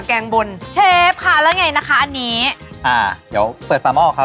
แกงบนเชฟค่ะแล้วไงนะคะอันนี้อ่าเดี๋ยวเปิดฝาหม้อครับ